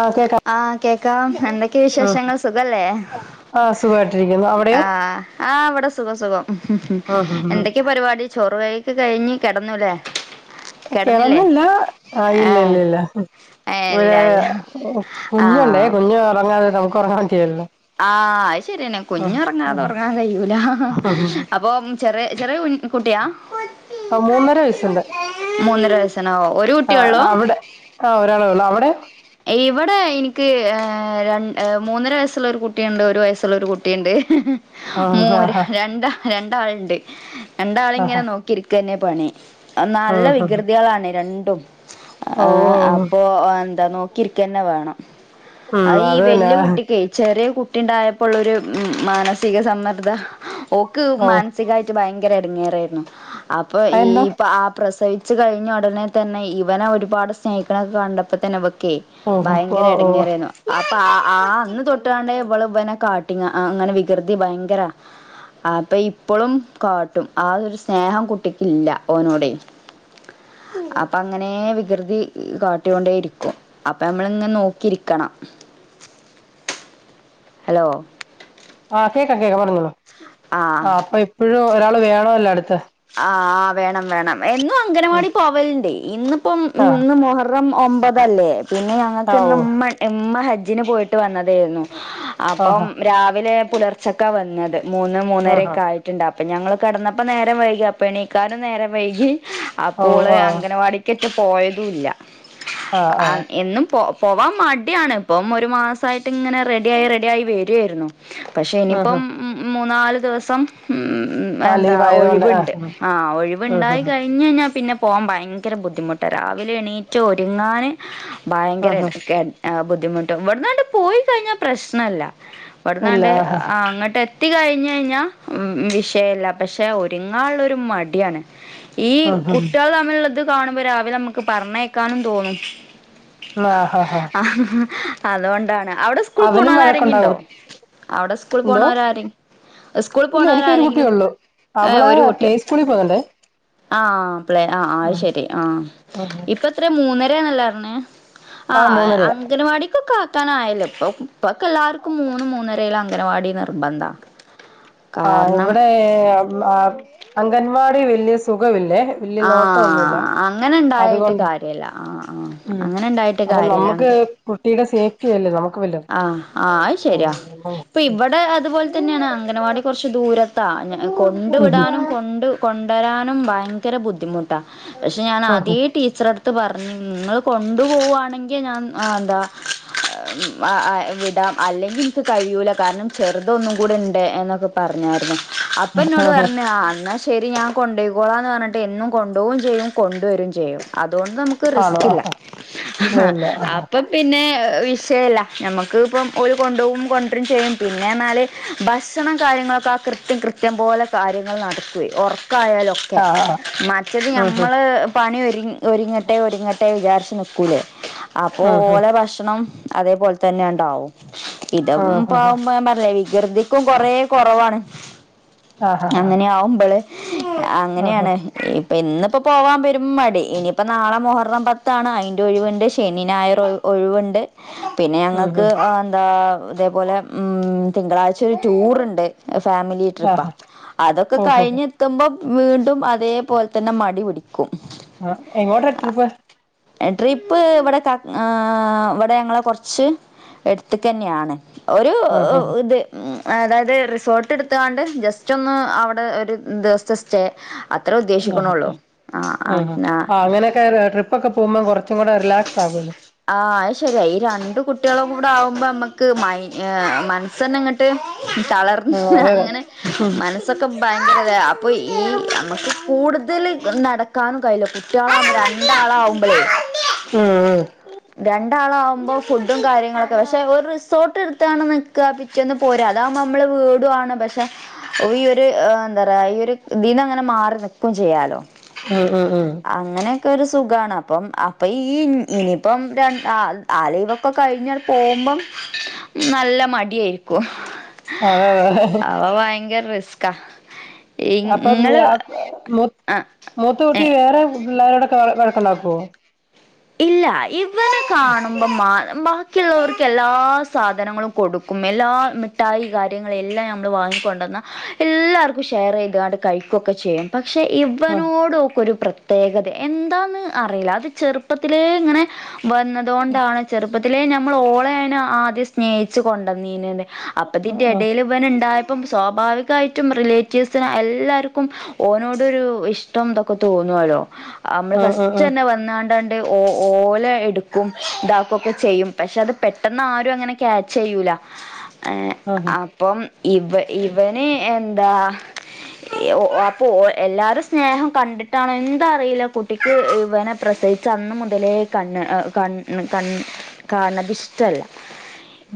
ആഹ് കേക്കാം ആഹ് കേക്കാം എന്തൊക്കെ ആഹ് വിശേഷങ്ങൾ സുഖല്ലേ ആഹ് സുഖമായിട്ടിരിക്കുന്നു അവിടെയോ ആഹ് ആഹ് ഇവടെ സുഖം സുഖം ആഹ് ആഹ് എന്തൊക്കെ പരിവാടി ചോറ് കഴി ക്കെ കഴിഞ്ഞ് കെടന്നൂലേ കെടന്നില്ല ആഹ് ഇല്ല ഏഹ് ഇല്ല ഇല്ല ഏഹ് ഇവ്ടെ ഇല്ല ഇല്ല കുഞ്ഞൊണ്ടേ ആഹ് കുഞ്ഞ് ഒറങ്ങാതെ നമുക്ക് ഒറങ്ങാൻ പറ്റില്ലല്ലോ ആഹ് അയ് ശരിയന്നെ കുഞ്ഞ് ഒറങ്ങാതെ ആഹ് ഒറങ്ങാൻ കഴിയൂല അപ്പോ ചെറിയെ ചെറിയ കുൻ കുട്ടിയാ ആഹ് മൂന്നര വയസ്സുണ്ട് മൂന്നര വയസ്സണോ ഒരു കുട്ടിയെ ആഹ് ഒള്ളൂ അവിടെ ആഹ് ഒരാളെ ഒള്ളൂ അവടെ ഇവടെ എനിക്ക് രൺ മൂന്നര വയസ്സൊള്ള ഒരു കുട്ടിയുണ്ട് ഒരു വയസ്സൊള്ള ഒരു കുട്ടിയ്ണ്ട്. ആഹ് മോന് ആഹ് രണ്ട രണ്ടാളുണ്ട് രണ്ടാളെ ഇങ്ങനെ ആഹ് നോക്കിയിരിക്കന്നെ പണി ആഹ് നല്ല ഓഹ് ഉം ഉം. വികൃതേളാണ് രണ്ടും ഓ ആഹ് അപ്പൊ എന്താ നോക്കിയിരിക്കന്നെ വേണം ഉം, അത് ഈ തന്നെ വല്യ കുട്ടിക്കെയ് ചെറിയ കു ട്ടി ഉണ്ടായപ്പൊള്ളൊരു മാനസിക സമ്മർദ്ദ ഓക്ക് ഓഹ് മൻ സികായിട്ട് ഭയങ്കര എടങ്ങേറായിരുന്നു അപ്പൊ ഈ അതെന്താ പാ പ്രസവിച്ചു കഴിഞ്ഞ ഒടനെ തന്നെ ഇവനെ ഒരുപാട് സ്നേഹിക്കണെക്കെ കണ്ടപ്പോത്തന്നെ ഇവക്കേ ഓഹ് ഭയങ്കര ഓഹ് ഓഹ് എടങ്ങേറായിരുന്നു അപ്പൊ ആ ആഹ് അന്ന് തൊട്ടാണ് ഇവള് ഇവനെ കാട്ടിങ്ങാ ആഹ് അങ്ങനെ വികൃതി ഭയങ്കര അപ്പൊ ഇപ്പളും കാട്ടും ആ ഒരു സ്നേഹം കുട്ടിക്കില്ല ഓനോടെയ് അപ്പൊ അങ്ങനേ വികൃതി കാട്ടി കൊണ്ടേ ഇരിക്കും അപ്പൊ നമ്മളിങ്ങനെ നോക്കിയിരിക്കണം. ഹലോ ആഹ് കേക്കാം കേക്കാം പറഞ്ഞോളൂ ആഹ് അപ്പൊ എപ്പഴും ഒരാള് വേണല്ലോ അടുത്ത് ആഹ് ആഹ് വേണം വേണം എന്നും അംഗനവാടി പോവലിണ്ടേയ് ഇന്നിപ്പം ആഹ് ഇന്ന് മൊഹ ഹറം ഒമ്പതല്ലേ പിന്നെ ഞങ്ങക്ക് ആഹ് ഇന്ന് ഓഹ് ഉമ്മ ഇമ്മ ഹജ്ജിന് പോയിട്ട് വന്നതേർന്നു അപ്പം ആഹാ രാവിലെ പുലർച്ചക്കാ വന്നത് മൂന്ന് ആഹാ മൂന്നരേക്ക ആയി ട്ടുണ്ട് അപ്പൊ ഞങ്ങള് കെടന്നപ്പോ നേരം വൈകി അപ്പ എണിക്കാനും നേരം വൈകി. അപ്പോ ഓഹ് ഓള് ആഹ് അംഗനവാടിക്കെക്കേ പോയതുല്ല ആഹ് അ ആഹ് എന്നും പോ പോവാൻ മടിയാണ് ഇപ്പം ഒരു മാസായിട്ടിങ്ങനെ റെഡി ആയി റെഡി ആയി വരേരുന്നു. പക്ഷെ ഉം ഇനിപ്പം ഉം മൂന്നാല് ദിവസം ഉം ആഹ് എന്താ ലീവ് ആയതുകൊണ്ട് ആഹ് ഒഴിവ്ണ്ട്. ഉം ആഹ് ഒഴിവ്ണ്ടായി ഉം കഴി കഴിഞ്ഞു കഴിഞ്ഞാ പിന്നെ പോകാൻ ഭയങ്കര ബുദ്ധിമുട്ട രാവിലെ എണീറ്റ് ഒരുങ്ങാന് ഭയങ്കര ഉം ഉം ഏഹ് ബുദ്ധിമുട്ടും ഇവട്ന്നങ്ങട്ട് പോയി കഴിഞ്ഞാൽ പ്രശ്നല്ല. ഇല്ല ഇവട്ന്നാണ്ട് ആഹ് അങ്ങട്ട് എത്തി കഴിഞ്ഞഴിഞ്ഞാ വിഷയല്ല പക്ഷെ ഒരുങ്ങാള്ളൊര് മടിയാണ് ഈ ഉം ഉം കുട്ടേള് തമ്മിലുള്ളത് കാണുമ്പോ രാവിലെ മ്മക്ക് പറഞ്ഞയക്കാനും തോന്നും ആഹ് അതുകൊണ്ടാണ് അവടെ സ്കൂൾ അവനും പോണോലാരെങ്കിണ്ടോ വഴക്കുണ്ടാവും അവടെ സ്കൂൾ എന്തോ പോണവരരെ സ്കൂളിൽ ഇല്ല എനിക്കൊരു പോണവരരെങ്കിലും ഏഹ് ഒരു കുട്ടിയോ ത്തിരിപ്പോവണ്ട് ആഹ് പ്ലേ ആഹ് അയ് ശെരി ആഹ് ഇപ്പത്ര മൂന്നരന്നല്ലാറഞ്ഞ് ആഹ് അംഗനവാടിക്കൊക്കെ ആ ക്കാനായല്ലോ ഇപ്പൊ ഇപ്പൊക്കെ എല്ലാവർക്കും മൂന്ന് മൂന്നരയിലും അംഗനവാടി നിർബന്ധാ. ആഹ് ഇവടെ അം അംഗൻവാടി വലിയ സുഖമില്ലേ. വലിയ നോട്ടമൊന്നുമില്ല ആഹ് അങ്ങനെണ്ടായിട്ട് അതുകൊണ്ട് കാര്യല്ല ആഹ് ആഹ് ഉം അങ്ങനെണ്ടായിട്ട് അപ്പൊ കാര്യല്ല നമുക്ക് അംഗ കുട്ടിയുടെ സേഫ് റ്റു അല്ലേ നമക്ക് വല് ആഹ് ആത് ശരിയാ ഇപ്പൊ ഇവടെ അതുപോലെ തന്നെയാണ് അംഗനവാടി കൊറച്ച് ദൂരത്താ ഞൻ കൊണ്ടു വിടാനും കൊണ്ട് കൊണ്ടുവരാനും ഭയങ്കര ബുദ്ധിമു പക്ഷെ ഞാൻ ആദ്യ ടീച്ചർ അടുത്ത് പറഞ്ഞു നിങ്ങൾ കൊണ്ടു പോവുവാണെങ്കിൽ ഞാൻ എന്താ വിടാം അല്ലെങ്കിൽ എനിക്ക് കഴിയൂല്ല കാരണം ചെറുതൊന്നും കൂടെ ഉണ്ട് എന്നൊക്കെ പറഞ്ഞായിരുന്നു അപ്പൊ എന്നോട് ഉം പറഞ്ഞാ ആ എന്ന ശരി ശരി ഞാൻ കൊുപോയിക്കോളാം എന്ന് പറഞ്ഞിട്ട് എന്നും കൊണ്ടുപോകയും ചെയ്യും കൊണ്ട വരും ചെയ്യും അതുകൊണ്ട് നമുക്ക് ആണോ പ്പറിസ്കില്ല ഇല്ല ഇല്ല ആഹ് അപ്പൊ പിന്നെ വിഷയല്ല നമ്മുക്ക് ഇപ്പം ഒരു കൊണ്ട പോവും കൊണ്ടും ചെയ്യും പിന്നെ എന്നാല് ഭക്ഷണം കാര്യങ്ങളൊക്കെ ആ കൃത്യം കൃം ത്യം പോലെ കാര്യങ്ങൾ നടക്കുകയും ഉറക്കായാലൊക്കെ ഓക്കെ ആഹ് മറ്റത് ആഹ് നമ്മൾ പണി ഒരു ഒരുങ്ങട്ടെ ഒരുങ്ങട്ടെ ഇട്ട വിചാരിച്ച് നിക്കൂലേ അപ്പൊ ആഹ് ഓല ഭക്ഷണം അതേപോലെ തന്നെ ഉണ്ടാവും ഇത ആഹ് ആഹ് പ്പ പറല്ല വികൃതിക്കും കൊറ കുറവാണ് ആഹ് ആഹ് അങ്ങനെയ ആവുമ്പോള് ആഹ് അങ്ങനെയാണ് ഇപ്പൊ ഇന്നിപ്പോ പോവാൻ വരും മടി ഇനിയിപ്പ നാളെ മുഹറം പത്താണ് അയിന്റെ ഒഴിവുണ്ട് ശനി ഞായറ് ഒഴിവുണ്ട് പിന്നെ ഞങ്ങൾക്ക് എന്താ ഇതേപോലെ തിങ്കളാഴ്ച ഒരു ടൂറുണ്ട് ഫാമിലി ആഹ് ട്രിപ്പാ ആഹ് അതൊക്കെ ഓഹോ കഴിഞ്ഞ് ക്കുമ്പോം വീണ്ടും അതേപോലെ തന്നെ മടി പിടിക്കും ആ എങ്ങോട്ട് ട്രിപ്പ് ട്രിപ്പ് ഇവിടെ ഇവിടെ ഞങ്ങളെ കുറച്ച് കു എടുത്ത തന്നെയാണ് ഒരു ആഹ് ആഹ് ഇത് അതായത് റിസോർട്ട് എടുത്താണ്ട് ജസ്റ്റ് ഒന്ന് അവിടെ ഒരു ദിവസത്തെ സ്റ്റേ അത്രേ ഉദ്ദേശിക്കണള്ളൂ ആ ആഹ് അങ്ങനെയൊക്കെട്രിപ്പ് ഇപ്പൊക്കെ പോക്പോ കുറച്ചും കൂടെറിലക്സ് ആക്കുല്ലോ ആഹ അത് ശരിയ ഈ രണ്ട കുട്ടികളും കൂടെ ആവുമ്പോ നമ്മക്ക് മൈ മനസ്സ തന്നെ അങ്ങോട്ട് ആഹ് തളർന്ന് അതെ അതെ അങ്ങനെ ഉം മന പ്പൊക്കെ ഭയങ്കര അപ്പൊ ഈ നമുക്ക് കൂടുതൽ നടക്കാനും കയ്യില കുട്ടികളരണ്ടാളവും ഉം ഉ രണ്ടാളാവകുമ്പോൾ ഫുഡും കാര്യങ്ങളൊക്കെ പക്ഷെ ഒരു റിസോർട്ട് എടുത്താണ്ന്ന് ക്കപിറ്റെന്ന് പോരാ അതാക്പോ നമ്മള് വീടാണ് പക്ഷെ ഓ ഈ ഒരു എന്താ പറയാ ഈ ഒരു ദീന്ന് അങ്ങനെ മാറി നക്കും ചെയ്യാലോ ഉം ഉം ഉം അങ്ങനെയൊക്കെ ഒരു സുഖാണ് അപ്പം അപ്പൊ ഈ ഇനിയിപ്പം ര ആ ലീവൊക്കെ കഴിഞ്ഞങ്ങട് പോകുമ്പം നല്ല മടിയായിരിക്കും അതെ അതെ അപ്പൊ ഭയങ്കര റിസ്ക് ക്ക അപ്പം ഇങ്ങള് മൂ ആ മൂത്ത കുട്ടി ഏ വേറെ പിള്ളേരോടൊക്കെ വഴക്കുണ്ടാക്കുമോ ഇല്ല ഇവന് കാണും മ്പം ബാക്കിയുള്ളവർക്ക് എല്ലാ സാധനങ്ങളും കൊടുക്കും എല്ലാ മി ട്ടായി കാര്യങ്ങളെല്ലാം ഞമ്മള് വാങ്ങിക്കൊണ്ട് വന്നാൽ എല്ലാവർക്കും ഷെയർ ചെയ്താണ്ട് കഴിക്കുകയൊക്കെ ചെയ്യും പക്ഷേ ആഹ് ഇവനോടോക്ക് ഒരു പ്രത്യേകത എന്താണെന്ന് അറിയില്ല അത് ചെറുപ്പ ചെറുപ്പത്തിലേ ഇങ്ങനെ വന്നതുകൊണ്ടാണ് ചെറു പ്പത്തിലേ ഞമ്മള് ഓളെയാണ് ആദ്യം സ്നേഹിച്ച് കൊണ്ടുവന്നീനത് അപ്പൊ അതിന്റെ ഇടയില് ഇവൻ ഉണ്ടായപ്പം സ്വാഭാവികമായിട്ടും റിലേറ്റീവ്സിന് എല്ലാവർക്കും ഓനോട് ഒരു ഇഷ്ടം ഇതൊക്കെ തോന്നുവല്ലോ നമ്മള് ആഹ് ആഹ് ഫസ്റ്റ് തന്നെ വന്നാണ്ട് ണ്ട്ഓ ഓല എടുക്കും ഇതാക്കും ഒക്കെ ചെയ്യും പക്ഷെ അത് പെട്ടെന്ന് ആരും അങ്ങനെ ക്യാച്ച് ചെയ്യൂല ഏഹ് ആഹ് ആഹ് അപ്പം ഇവ ഇവന് എന്താ അപ്പൊ എല്ലാരും സ്നേഹം കണ്ടിട്ടാണോ എന്താ അറിയില്ല കുട്ടിക്ക് ഇവനെ പ്രസ ച്ച അന്ന് മുതലേ കണ്ണ് കണ്ണ കണ് കാണത് ഇഷ്ടവല്ല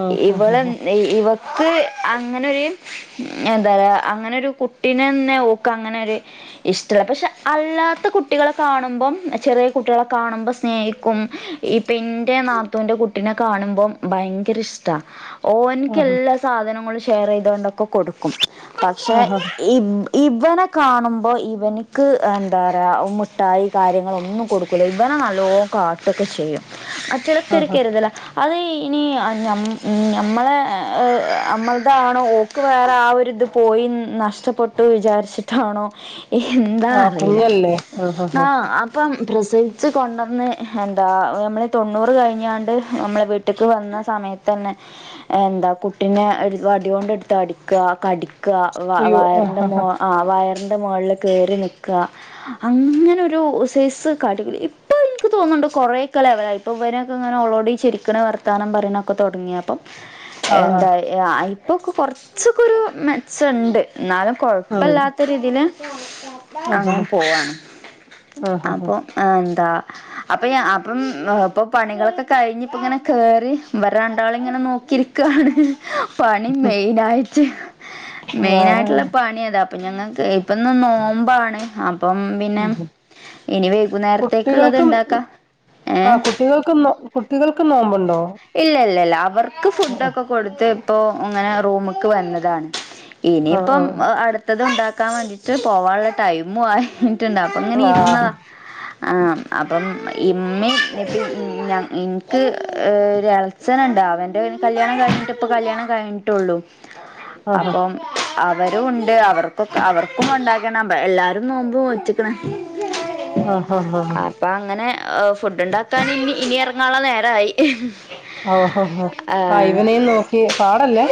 ആഹ് ആഹ് ഇവള് ഇവക്ക് അങ്ങനെ ഒരു എന്താ പറയാ അങ്ങനെ ഒരു കുട്ടിനെന്നെ ഓക്ക്അങ്ങനെ ഒരു ഇഷ്ടല്ല പക്ഷെ അല്ലാത്ത കുട്ടികളെ കാണുമ്പം ചെറിയ കുട്ടികളെ കാണുമ്പോ സ്നേഹിക്കും ഇപ്പെന്റെ നാത്തൂന്റെ കുട്ടിനെ കാണുമ്പോം ഭയങ്കര ഇഷ്ടാ. ആഹ് ഓനിക്ക് ആഹ് എല്ലാ സാധനങ്ങളും ഷെയർ ചെയ്തൊണ്ട ക്കെ കൊടുക്കും പക്ഷെ ആഹ് ആഹ് ആഹ് ഈ ഇവനെ കാണുമ്പോൾ ഇവനിക്ക് എന്താ പറയുക മുഠായി കാര്യങ്ങള് ഒന്നും കൊടുക്കു ഇവനെ നല്ലോ കാട്ടൊക്കെ ചെയ്യും [unintelligible] ആഹ് കരുതല അത് ഇനി ഞമ്മളെ നമ്മളതാണോ ഓക്ക് വേറെ ആഹ് ഒരു ഇത് പോയി നഷ്ടപ്പെട്ടു വിചാരിച്ചിട്ടാണോ എന്താ അറിയില്ല ആഹ് അപ്പം പ്രൊസീ വിളിച്ച് കൊണ്ടുവന്ന് എന്താ നമ്മൾ തൊണ്ണൂറ് കഴിഞ്ഞാണ്ട് നമ്മളെ വീട്ടിക്ക് വന്ന സമയ തന്നെ എന്താ കുട്ടീനെ വടികൊണ്ട് എടുത്ത് അടിക്കുക കടി ക്കുക അയ്യോ ആഹ് വയറിന്റെ മോ ആഹ് വയ റിന്റെ മോളിൽ കേറി നിക്കുക അങ്ങനെ ഒരു സൈസ് കാട്ടികൂട്ടലാ ഇപ്പം എനിക്ക് തോന്നുന്നുണ്ട് കുറെ ഒക്കെ ലെവലായി ഇപ്പം ഇവനെയൊക്കെ ഇങ്ങനെ ഓളോട് ചരിക്കണ് വർത്താനം പറയണൊക്കെ തുടങ്ങിയപ്പം ആഹ് എന്താ ഇപ്പൊക്കെ കൊറച്ചൊക്കെ ഒരു മെച്ചമുണ്ട്. എന്നാലും കൊഴപ്പല്ലാത്ത രീതിയില് ആഹ് ആഹ് അങ്ങ് പോവാണ്. [unintelligible] ആഹ് എന്താ? അപ്പൊ അപ്പം ഇപ്പൊ പണികളൊക്കെ കഴിഞ്ഞ് ഇപ്പം ഇങ്ങനെ കേറി ഇവരെരണ്ടാളെയും ഇങ്ങനെ നോക്കിരിക്ക ക്കാണ് പണി മെയിൻ ആയിട്ട് ആഹ് മെയിനായിട്ടുള്ള ആഹ് പണി അതാ അപ്പൊ ഞങ്ങൾക്ക് ഇപ്പൊന്ന് നോമ്പാണ് അപ്പം പിന്നെ ഉം ഇനി വൈകുന്നേരത്തേക്കുള്ളത് ഉണ്ടാക്കാം. ഏഹ് കുട്ടികൾക്ക് നോ കുട്ടികൾക്കും നോമ്പുണ്ടോ? ഇല്ല ഇല്ല ഇല്ല അവർക്ക് ഫുഡ് ആഹ് ഒക്കെ കൊടുത്ത് ഇപ്പൊ അങ്ങനെ റൂമക്ക് വന്നതാണ്. ഇനിയിപ്പം ആഹ് അടുത്തത് ഉണ്ടാക്കാൻ വേണ്ടിയിട്ട് പോവാനുള്ള ടൈമും ആയിട്ട് ഉണ്ടാവും. അങ്ങനെ ഇരുന്നതാ. ആഹ് ആഹ് അപ്പം ഇമ്മേം എനിക്ക് ഒര് ഇളയച്ചൻ ഉണ്ട് അവന്റെ കല്യാണം കഴിഞ്ഞിട്ട് ഇപ്പൊ കല്യാണം കഴിഞ്ഞിട്ടേയുള്ളു ആഹ് അപ്പം അവരും ഉണ്ട് അവർക്കൊക്കെ അവർക്കും ഉണ്ടാക്കണം എല്ലാരും നോമ്പ് മോച്ചിക്കണ്. ആഹ് ആഹ്ആഹ് അപ്പ അങ്ങനെ ഫുഡ് ഉണ്ടാക്കാൻ ഇനി ഇനി ഇറങ്ങാനുള്ള നേരായി [unintelligible] ഓഹോ ഹോ ആ ഹ് ഇവനേയും നോക്കി പാടല്ലേ?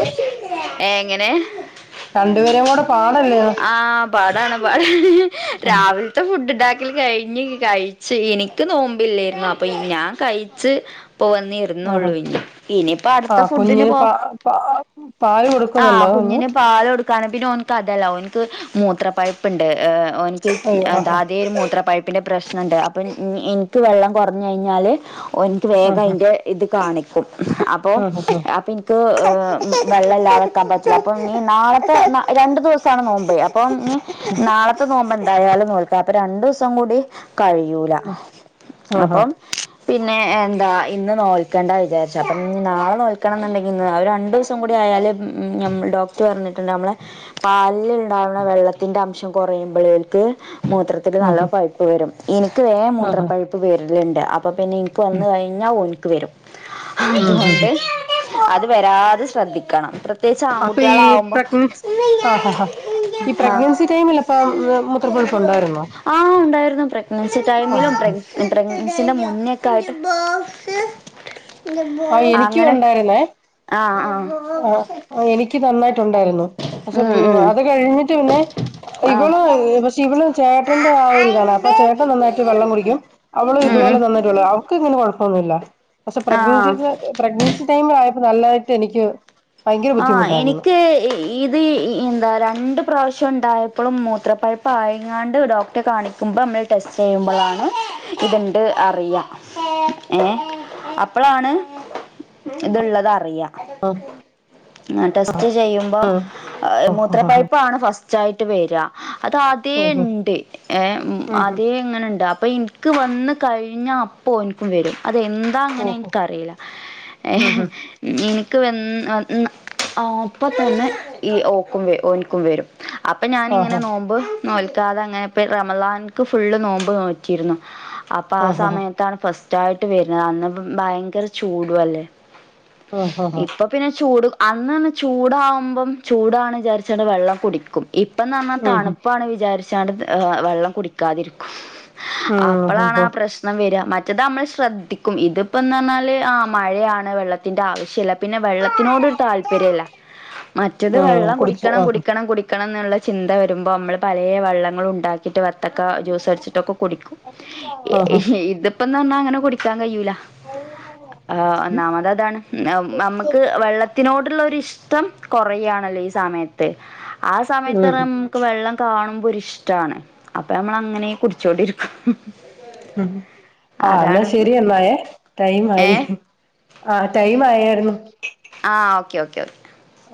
ഏഹ് എങ്ങനെ? രണ്ടുപേരെയും കൂടെ പാടല്ലേ ആഹ് പാടാണ് പാടാണ് [unintelligible] ആഹ് രാവിലെ ലത്തെ ഫുഡ് ഉണ്ടാക്കൽ കഴിഞ്ഞ് കഴിച്ച് എനിക്ക് നോമ്പില്ലായിരുന്നു അപ്പൊ ഞാൻ കഴിച്ച് പ്പ വന്ന് ഇരുന്നേ ആഹ് ഉള്ളൂ ഇനിപ്പ അടുത്ത ആഹ് ഫുഡിന് കുഞ്ഞിന് പ പോവാം. പ പാല് ആഹ് കൊടുക്കുന്നുണ്ടോ കുഞ്ഞ് കുഞ്ഞിന് പാല് കൊടുക്കാണ് പിന്നെ അവനക്ക് അതല്ല എനിക്ക് മൂത്ര പൈപ്പുണ്ട് ഏഹ് ഓനിക്ക് അയ്യോ ആഹാ അതെ ഒരു മൂത്ര പായ പിന്നെ പ്രശ്നമുണ്ട് അപ്പം എനിക്ക് വെള്ളം കുറഞ്ഞു കഴിഞ്ഞാല് ഓന്ക്ക് വേഗം ആഹാ അതിൻ്റെ ഇത് കാണിക്കും അപ്പോ ആഹാ അപ്പോ എ വെള്ളം ഇല്ലാതെ നിക്കാൻ പറ്റില്ല അപ്പം ഇനി നാളത്തെ രണ്ടു ദിവസമാണ് നോമ്പേ അപ്പം നാളത്തെ നോമ്പ് എന്തായാലും നോൽക്കാം അപ്പൊ രണ്ടു ദിവസം കൂടി കഴിയൂ ആഹാ ആഹാ അപ്പം പിന്നെ എന്താ ഇന്ന് നോൽക്കേണ്ട വിചാരിച്ചു. അപ്പം നാളെ നോൽക്കണമെന്നുണ്ടെങ്കിൽ രണ്ടു ദിവസം കൂടി ആയാല് ഞമ്മൾ ഡോക്ടർ പറഞ്ഞി ട്ടുണ്ട് നമ്മളുടെ പാലിൽ ഉണ്ടാവുന്ന വെള്ളത്തിന്റെ അംശം കുറയുമ്പോഴേൾക്ക് മൂത്രത്തി നല്ല പൈപ്പ് വരും എനിക്ക് വേറെ ആഹാ ആഹാ മൂത്രപ്പഴപ്പ് വെരലുണ്ട് അപ്പൊ പിന്നെ എനിക്ക് വന്ന കഴിഞ്ഞ പൊളികുവരും ഉം ഉം ഉം അത് വരാതെ ശ്രദ്ധിക്കണം പ്രതേകിച്ചു അപ്പൊ ഈ ആൺകുട്ടിക്കാളക്കുമ്പോൾ പ്രഗ്നൻസ് ആഹ് ആഹ് ഈ ആഹ് പ്രഗ്നൻസി ടൈമിൽ അപ്പ മൂത്രപ്പഴുപ്പ് ഉണ്ടായിരുന്നോ? ആഹ് ഉണ്ടായിരുന്നു പ്രഗ്നൻസി ആഹ് ടൈമിലും പ്രഗന പ്രഗ്നെസിന്റെ മുന്നെക്കെ ആയിട്ട് ആഹ് എനിക്കും അങ്ങനെെ ഉണ്ടായിരുന്നേ ആഹ് ആഹ് ആഹ് ആഹ് എനിക്ക് നന്നായിട്ടുണ്ടായിരുന്നു പക്ഷെ ഉം ഉം അത് കഴിഞ്ഞിട്ട് പിന്നെ ആ ഇവള് പക്ഷെ ഇവള് ചേട്ടന്റെ ആ ഒരു ഇതാണ് അപ്പൊ ചേട്ടൻ നന്നായിട്ട് വെള്ളം ഉം മുടിക്കും അവളും ഉം ഇതുപോലെ തന്നിട്ട് വെള്ള ഇങ്ങനെ കുഴപ്പൊന്നുമില്ല പക്ഷെ ആ പ്രഗ്നൻസി പ്രഗ്നൻസി ടൈമിലയപ്പോ നല്ലതായിട്ട് എനിക്ക് ഭയങ്കര ആഹ് ബുദ്ധിമുട്ടായിരുന്നു. എനിക്ക് ഈ ഇത് എന്താ രണ്ടണ്ട് പ്രാവശ്യം ഉണ്ടായപ്പോഴും മൂത്രപ്പഴപ്പം ആയതാണ്ട ഡോക്ടറെ കാണിക്കുമ്പോൾ നമ്മൾ ടെസ്റ്റ് ചെയ്യുമ്പോഴാണ് ഇതുണ്ട് അറിയ ഏഹ് അപ്പോളാണ് ഇതുള്ളതറിയാം ഓ ആഹ് ടെസ്റ്റ് ചെയ്യുമ്പം ആഹ് മൂത്രപൈപ്പാണ് ഫസ്റ്റ് ച്ചായിട്ട് വരി അത് അദ്യേ ആഹ് ഉണ്ട് ആഹ് അതേ ഇനണ്ട് എനിക്ക് അപ്പൊ എനിക്ക് വന്ന് കഴിഞ്ഞപ്പോ എനിക്കും വരും അത എ അങ്ങനെ ആഹ് എനിക്കറിയില്ലഏഹ് ആഹ് എനിക്ക്വന്ന അപ്പം തന്നെ ഈ ഓക്കും ഓനിക്കും വരും അപ്പൊ ഞാാനിങ്ങനെ ആഹ് ആഹ് നോമ്പ് നോൽക്കാതെ അങ്ങനെപ്പ റമലാൻക്ക് ഫുൾ നോമ്പ് നോറ്റിയിരുന്നു അപ്പൊ ആഹ് സമയത്താണ് ഫസ്റ്റ് ആയിട്ട് വരുന്നത് അന്ന് ഭയങ്കര ചൂടു അല്ലേ ആഹ് ഇപ്പം ചൂട് അന്ന് തന്നെ ചൂടാകുമ്പം ചൂടാണ് വിചാരിച്ചിൽ വെള്ളം കുടിക്കും ഇപ്പന്ന് പറഞ്ഞാൽ ആഹ് തണുപ്പാണ് വിചാരിച്ചണ്ട് വെള്ളം കുടിക്കാതിരിക്കും അപ്പളാണ് ആഹ് പ്രശ്നം വര മറ്റത് നമ്മൾ ശ്രദ്ധിക്കും ഇതിപ്പന്ന് പറഞ്ഞാല് ആഹ് മഴയാണ് വെള്ളത്തിന്റെ ആവശ്യമല്ല പിന്നെ തിനോട് താല്പര്യമില്ല മറ്റത് ആഹ് വെള്ളം കുടിച്ചു കുടിക്കണം ആഹ് കുടിക്കണം കുടിക്കണമെന്ന എന്നുള്ള ചിന്ത വരുമ്പോൾ നമ്മൾ പലയ വെള്ളങ്ങളൾ ഉണ്ടാക്കി ട്ട് വത്തക്ക ജ്യൂസ് അടിച്ചിട്ടൊക്കെ കുടിക്കും ആഹ് ഇതിപ്പംന്ന പറഞ്ഞാ അങ്ങനെ കുടിക്കാൻ കഴിയൂല ആ്ഹ് ഉം ഒന്നന്നാമത് അതാണ് നമുക്ക് വെള്ളത്തിനോടുള്ള ഒരുരി ഇഷ്ടം കുറുകയാണല്ലോ ഈ സമയത്ത് ആഹ് സമയത്ത് ക്ക് വെള്ളം കാണുമ്പോ ഒരി ഇഷ്ടാണ്. അപ്പൊ നമ്മള അങ്ങനെ കുടിച്ചോണ്ടിരിക്കും. ഉം, ആ എന്നാ അതാണ് ശെരി എന്നായെ, ടൈം ആയി. ഏഹ് ആഹ്, ടൈമ് ആയേയിരുന്നു. ആഹ് ഓക്കെ ഓക്കെ ഓക്കെ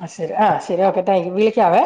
ആ ശരി ആ ശരി ഓക്കെ താങ്ക് യു വിളിക്കാവേ.